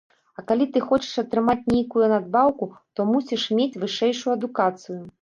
А калі ты хочаш атрымаць нейкую надбаўку, то мусіш мець вышэйшую адукацыю.